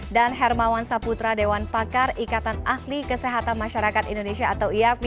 dan hermawan saputra dewan pakar ikatan ahli kesehatan masyarakat indonesia atau iap